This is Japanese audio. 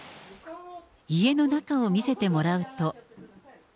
家の中を見せてもらうと。